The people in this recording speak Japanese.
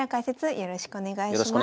よろしくお願いします。